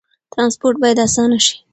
ترانسپورت باید اسانه شي.